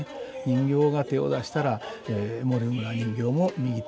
人形が手を出したら森村人形も右手を出す。